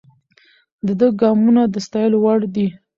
د ده ګامونه د ستایلو وړ دي.